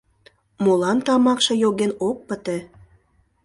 Молан тамакше йоген ок пыте?